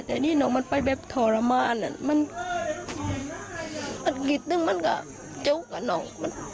แต่นี่น้องมันไปแบบทรมานมันหงิดนึงมันก็จุกับน้อง